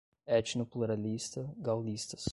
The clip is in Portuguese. Etnopluralista, gaullistas